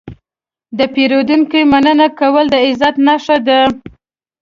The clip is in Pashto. د پیرودونکي مننه کول د عزت نښه ده.